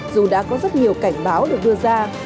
dù đã có rất nhiều cảnh báo được đưa ra